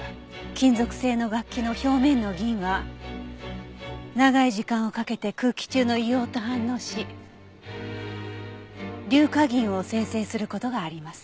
金属製の楽器の表面の銀は長い時間をかけて空気中の硫黄と反応し硫化銀を生成する事があります。